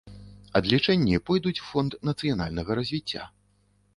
Адлічэнні пойдуць у фонд нацыянальнага развіцця.